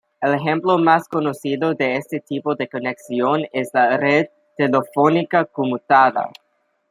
El ejemplo más conocido de este tipo de conexión es la Red Telefónica Conmutada.